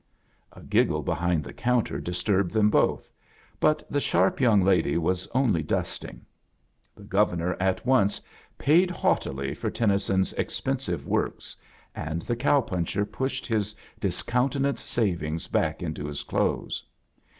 A giggle behind the counter disturbed them both, but the sharp young lady was only dusting. The Governor at once paid haughtily for Tennyson's expensive works, and the cow puncher pushed his discoun tenanced savings back into his clothes.